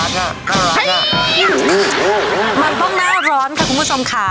น่าร้อนค่ะน่าร้อนค่ะมันก็น่าร้อนค่ะคุณผู้ชมขา